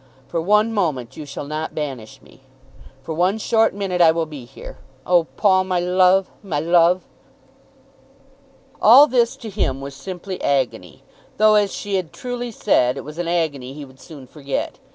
"For one moment you shall not banish me. For one short minute I will be here. Oh, Paul, my love; my love!" All this to him was simply agony, though as she had truly said it was an agony he would soon forget.